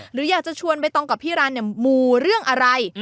หรืออยากจะชวนใบตองกับพี่รันเนี่ยมูเรื่องอะไร